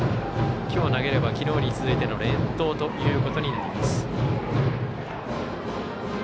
きょう投げればきのうに続いての連投ということになります。